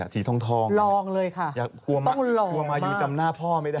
สีทองค่ะอยากกลัวมายูตำหน้าพอไม่ได้หรือเหรอคะกระวันอะ